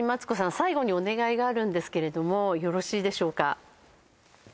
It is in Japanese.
最後にお願いがあるんですけれどもよろしいでしょうか？